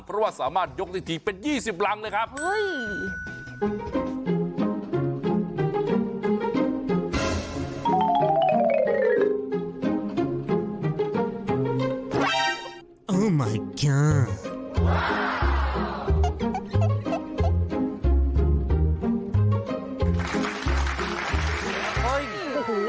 เพราะว่าสามารถยกได้ถึงเป็นยี่สิบรังเลยครับเฮ้ย